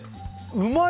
うまい！